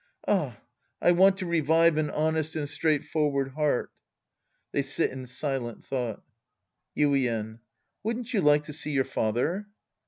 Ah, I want to revive an honest and straightforward heart. (They sit in silent thought^ Yuien. Wouldn't you like to see your father